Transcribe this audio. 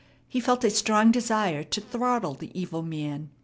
He felt a strong desire to throttle the evil man.